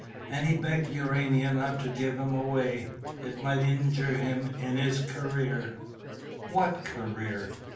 And he begged Urania not to give him away: it might injure him in his career "What career?"